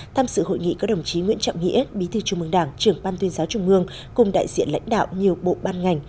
tham sự hội nghị có đồng chí nguyễn trọng nghĩa bí thư trung mương đảng trưởng ban tuyên giáo trung mương cùng đại diện lãnh đạo nhiều bộ ban ngành